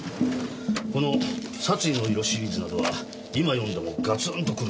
この『殺意の色』シリーズなどは今読んでもガツンとくるものがありますよ。